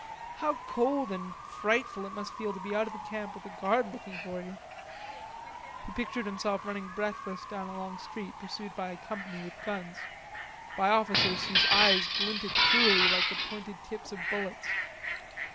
How cold and frightful it must feel to be out of the camp with the guard looking for you! He pictured himself running breathless down a long street pursued by a company with guns, by officers whose eyes glinted cruelly like the pointed tips of bullets.